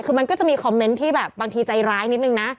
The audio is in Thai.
คือมันก็จะมีคอมเมนต์ที่แบบบางทีใจร้ายนิดนึงนะ